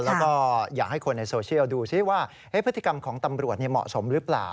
แล้วก็อยากให้คนในโซเชียลดูซิว่าพฤติกรรมของตำรวจเหมาะสมหรือเปล่า